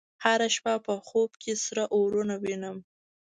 هره شپه په خوب کې سره اورونه وینم